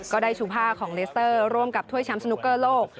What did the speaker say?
ก็ได้ชูผ้าของเลสเตอร์ร่วมกับถ้วยแชมป์สนุกเกอร์โลก